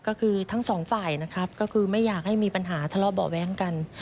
ก็คือทั้งสองฝ่ายนะครับก็คือไม่อยากให้มีปัญหาทะเลาะเบาะแว้งกัน